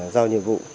giao nhiệm vụ